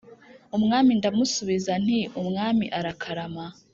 umwami ndamusubiza nti umwami arakarama